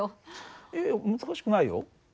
いやいや難しくないよ。